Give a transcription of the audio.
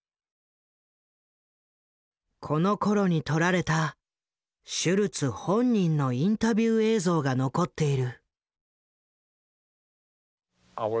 このころに撮られたシュルツ本人のインタビュー映像が残っている。